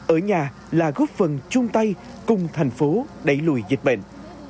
ở nhà là góp phần chung tay cùng thành phố đẩy lùi dịch bệnh